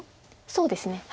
そうですね。